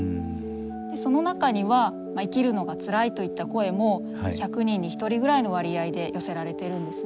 でその中には「生きるのがつらい」といった声も１００人に１人ぐらいの割合で寄せられてるんですね。